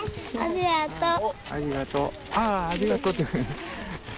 ああありがとうって。